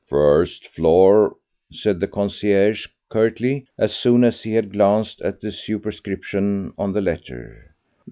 "First floor," said the concierge curtly, as soon as he had glanced at the superscription on the letter.